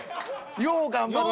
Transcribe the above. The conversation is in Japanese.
「よう頑張った。